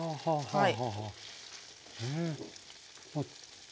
はい。